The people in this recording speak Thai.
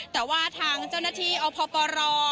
แต่ว่าทางเจ้าหน้าที่อพปร